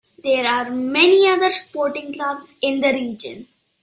There are many other sporting clubs in the region.